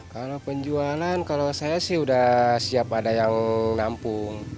kalau penjualan kalau saya sih sudah siap ada yang nampung